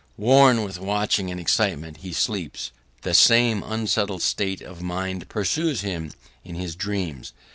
Worn with watching and excitement, he sleeps, and the same unsettled state of mind pursues him in his dreams.